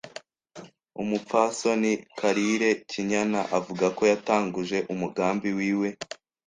Umupfasoni Karirekinyana avuga ko yatanguje umugambi wiwe